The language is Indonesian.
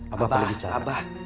abah perlu bicara